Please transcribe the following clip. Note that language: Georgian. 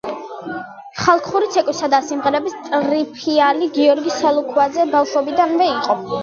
ხალხური ცეკვისა და სიმღერის ტრფიალი გიორგი სალუქვაძე ბავშვობიდანვე იყო.